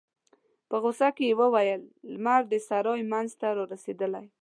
په غوسه يې وویل: لمر د سرای مينځ ته رارسيدلی.